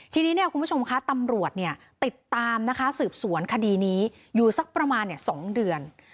ทีนี้เนี่ยคุณผู้ชมคะตำรวจติดตามนะคะสืบสวนคดีนี้อยู่สักประมาณ๒เดือน